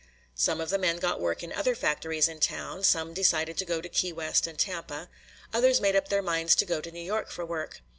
Some of the men got work in other factories in town; some decided to go to Key West and Tampa, others made up their minds to go to New York for work.